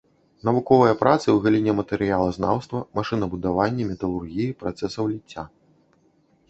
Навуковыя працы ў галіне матэрыялазнаўства, машынабудавання, металургіі, працэсаў ліцця.